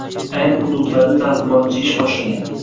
Ayrim hududlarda targ‘ibotchi ish boshlagan.